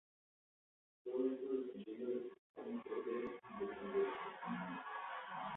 Todo esto dependiendo del principal motor del independentismo.